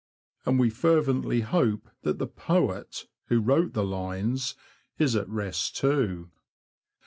181 And we fervently hope that the poet who wrote the lines is at rest too.